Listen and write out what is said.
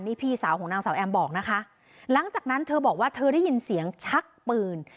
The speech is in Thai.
นี่พี่สาวของนางสาวแอมบอกนะคะหลังจากนั้นเธอบอกว่าเธอได้ยินเสียงชักปืน